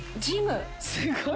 すごい。